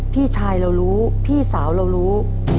พี่ชายเรารู้พี่สาวเรารู้